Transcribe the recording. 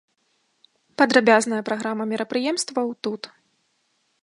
Падрабязная праграма мерапрыемстваў тут.